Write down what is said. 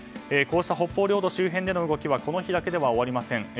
こうした北方領土周辺での動きはこの日だけでは終わりません。